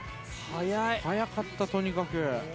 速かったとにかく。